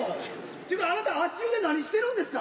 っていうかあなた足湯で何してるんですか？